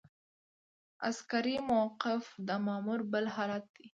عسکري موقف د مامور بل حالت دی.